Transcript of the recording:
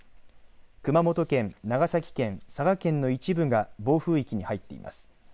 熊本県、長崎県、佐賀県の一部が暴風域に入っています。